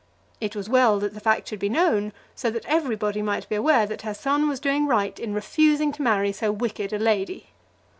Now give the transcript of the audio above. It was well that the fact should be known, so that everybody might be aware that her son was doing right in refusing to marry so wicked a lady.